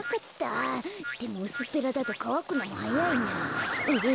でもうすっぺらだとかわくのもはやいなぁ。